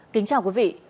kính chào quý vị